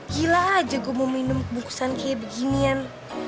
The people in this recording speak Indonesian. gila aja gue mau minum bungkusan kayak beginian